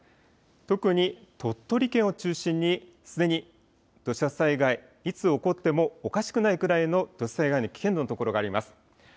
特に鳥取県を中心にすでに土砂災害、いつ起こってもおかしくないくらいの土砂災害の危険の所があります。